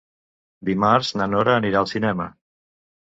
Dimarts na Nora anirà al cinema.